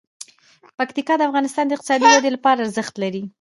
پکتیکا د افغانستان د اقتصادي ودې لپاره ارزښت لري.